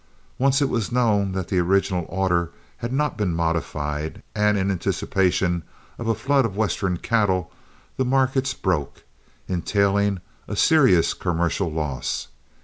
Once it was known that the original order had not been modified, and in anticipation of a flood of Western cattle, the markets broke, entailing a serious commercial loss.